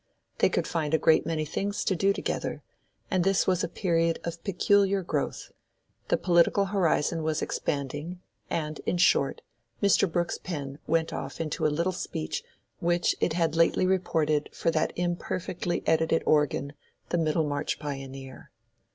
They could find a great many things to do together, and this was a period of peculiar growth—the political horizon was expanding, and—in short, Mr. Brooke's pen went off into a little speech which it had lately reported for that imperfectly edited organ the "Middlemarch Pioneer."